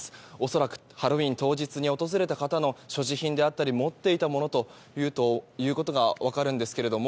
恐らく、ハロウィーン当日に訪れた方の所持品だったり持っていたものということが分かりますが。